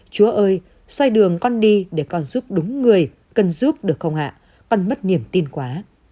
chúa ơi xoay đường con đi để con giúp đúng người cần giúp được không ạ ăn mất niềm tin quá